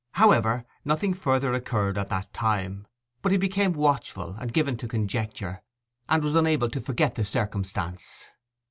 However, nothing further occurred at that time; but he became watchful, and given to conjecture, and was unable to forget the circumstance.